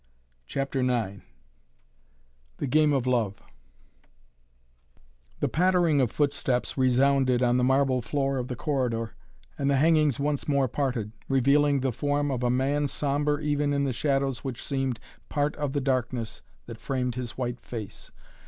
CHAPTER IX THE GAME OF LOVE The pattering of footsteps resounded on the marble floor of the corridor and the hangings once more parted, revealing the form of a man sombre even in the shadows which seemed part of the darkness that framed his white face.